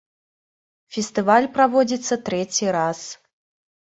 Фестываль праводзіцца трэці раз.